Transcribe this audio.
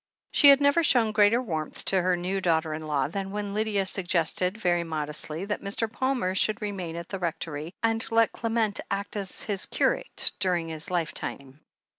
She had never shown greater warmth to her new daughter in law than when Lydia suggested, very mod estly, that Mr. Palmer should remain at the Rectory and let Clement act as his curate during his lifetime.